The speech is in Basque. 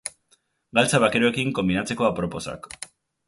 Galtza bakeroekin konbinatzeko aproposak.